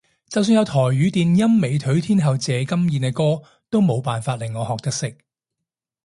就算有台語電音美腿天后謝金燕嘅歌都冇辦法令我學得識